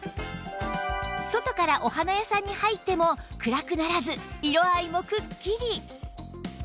外からお花屋さんに入っても暗くならず色合いもくっきり